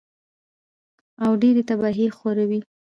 او ډېرې تباهۍ خوروي